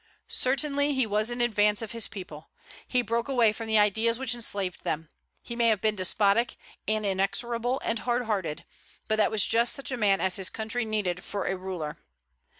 Certainly he was in advance of his people; he broke away from the ideas which enslaved them. He may have been despotic, and inexorable, and hard hearted; but that was just such a man as his country needed for a ruler.